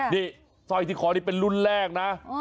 นี่สร้อยที่คอนี่เป็นรุ่นแรกนะ